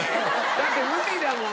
だって無理だもん！